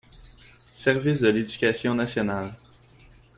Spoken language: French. Service de l’éducation nationale.